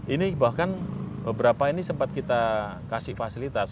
ini bahkan beberapa ini sempat kita kasih fasilitas